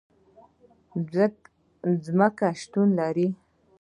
ځمکه شتون لري